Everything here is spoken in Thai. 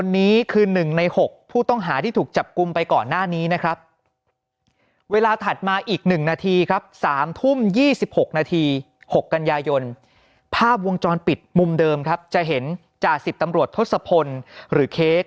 นาที๖กันยายนภาพวงจรปิดมุมเดิมครับจะเห็นจ่าสิบตำรวจทศพลหรือเค้ก